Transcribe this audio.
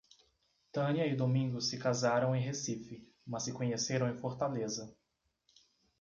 Tânia e Domingos se casaram em Recife, mas se conheceram em Fortaleza.